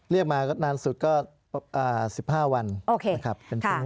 เรียกมานานสุดก็๑๕วันนะครับ